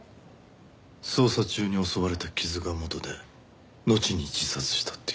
捜査中に襲われた傷がもとでのちに自殺したっていう。